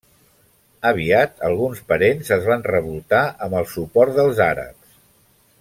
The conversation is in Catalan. Aviat alguns parents es van revoltar amb el suport dels àrabs.